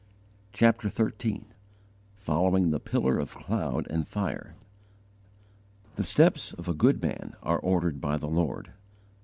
CHAPTER XIII FOLLOWING THE PILLAR OF CLOUD AND FIRE "THE steps of a good man are ordered by the Lord."